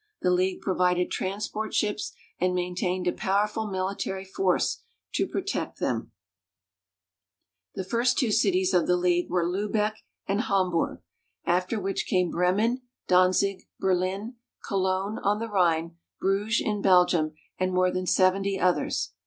The league provided transport ships and maintained a powerful mili tary force to protect therr . The first two cities of the league were Lubeck and Hamburg, after which came Bremen, Danzig, Berlin, Cologne on the Rhine, Bruges in Belgium, and more than seventy others.